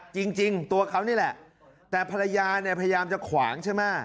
จริงตัวเขานี่แหละแต่ภรรยาเนี่ยพยายามจะขวางใช่ไหม